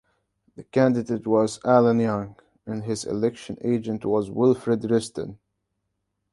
The candidate was Allan Young, and his election agent was Wilfred Risdon.